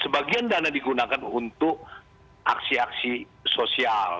sebagian dana digunakan untuk aksi aksi sosial